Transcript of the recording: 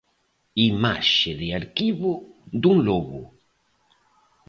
Imaxe de arquivo dun lobo.